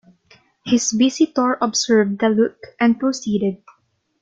His visitor observed the look, and proceeded.